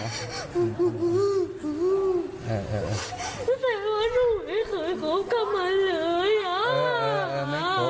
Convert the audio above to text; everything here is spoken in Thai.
โอเคมันยิบขอหนู